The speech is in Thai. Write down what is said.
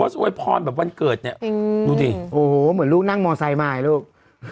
โภสด์อวยพรแบบวันเกิดเนี้ยอืมดูดิโอ้โหเหมือนลูกนั่งมอเตยมาอ่ะลูก